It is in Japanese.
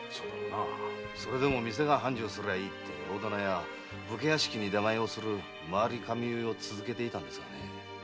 それでも店が繁盛すればいいと大店や武家屋敷に出前をする廻り髪結いを続けていましたが。